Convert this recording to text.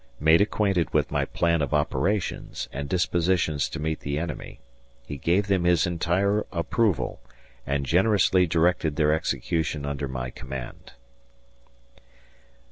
Made acquainted with my plan of operations and dispositions to meet the enemy, he gave them his entire approval and generously directed their execution under my command.